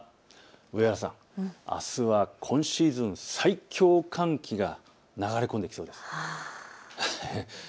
上原さん、あすは今シーズン最強寒気が流れ込んできそうです。